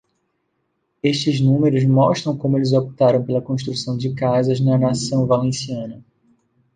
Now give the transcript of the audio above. Estes números mostram como eles optaram pela construção de casas na nação valenciana.